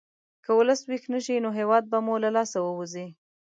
که ولس ویښ نه شي، نو هېواد به مو له لاسه ووځي.